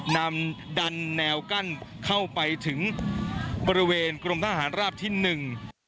นำดันแนวกั้นเข้าไปถึงบริเวณกรมทหารราบที่หนึ่ง